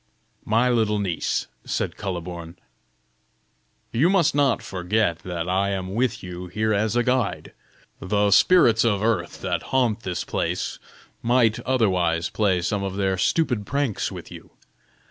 "My little niece," said Kuhleborn, "you must not forget that I am with you here as a guide; the spirits of earth that haunt this place might otherwise play some of their stupid pranks with you.